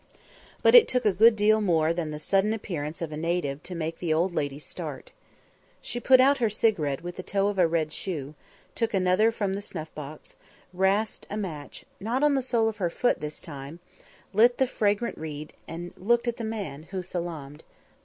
But it took a good deal more than the sudden appearance of a native to make the old lady start. She put out her cigarette with the toe of a red shoe, took another from the snuff box, rasped a match not on the sole of her foot this time lit the fragrant weed and looked at the man, who salaamed.